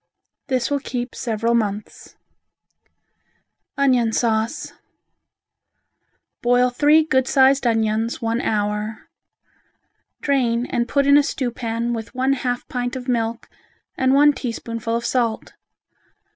This will keep several months. Onion Sauce Boil three good sized onions, one hour. Drain and put in a stewpan with one half pint of milk and one teaspoonful of salt.